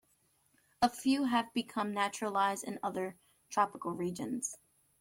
A few have become naturalized in other tropical regions.